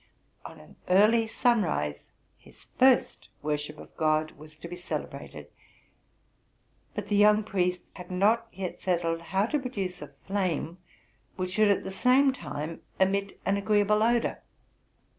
On an early sunrise his first worship of God was to be celebrated, but the young priest had not yet settled how to produce a flame which should at the same time emit an agreeable odor.